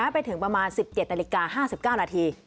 ไปถึงประมาณ๑๗นาฬิกา๕๙นาที